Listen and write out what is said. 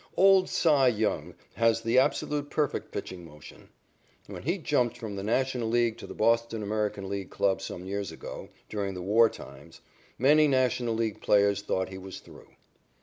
"Old Cy" Young has the absolutely perfect pitching motion. When he jumped from the National League to the Boston American League club some years ago, during the war times, many National League players thought that he was through.